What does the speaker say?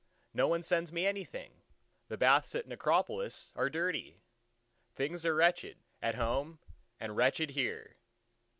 No one sends me anything—the baths at Nicopolis are dirty; things are wretched at home and wretched here."